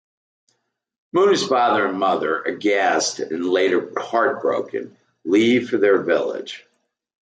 Munna's father and mother, aghast and later heartbroken, leave for their village.